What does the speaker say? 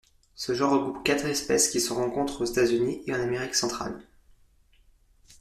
Ce genre regroupe quatre espèces qui se rencontrent aux États-Unis et en Amérique centrale.